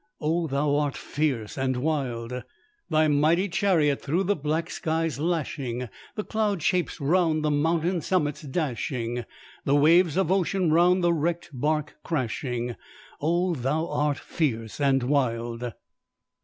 O, thou art fierce and wild! Thy mighty chariot through the black skies lashing, The cloud shapes round the mountain summits dashing, The waves of ocean round the wrecked bark crashing O, thou art fierce and wild!"